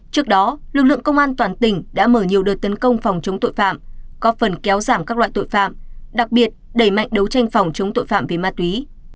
trước đó lực lượng công an toàn tỉnh đã mở nhiều đợt tấn công phòng chống tội phạm có phần kéo giảm các loại tội phạm đặc biệt đẩy mạnh đấu tranh phòng chống tội phạm về ma túy